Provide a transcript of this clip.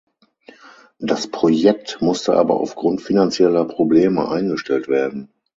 Das Projekt musste aber aufgrund finanzieller Probleme eingestellt werden.